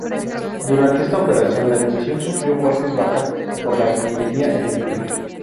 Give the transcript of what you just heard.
Durante esta operación, la división sufrió fuertes bajas por la artillería enemiga.